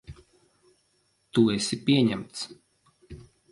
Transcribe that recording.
Tu esi pieņemts.